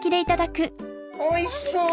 おいしそう！